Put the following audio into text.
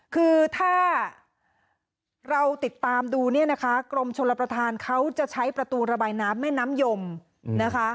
คือถ้าเราติดตามดูเนี่ยนะคะกรมชลประธานเขาจะใช้ประตูระบายน้ำแม่น้ำยมนะคะ